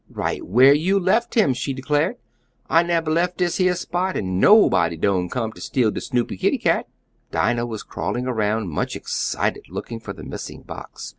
"Right where you left him," she declared. "I nebber left dis yeah spot, and nobody doan come ter steal de Snoopy kitty cat." Dinah was crawling around much excited, looking for the missing box.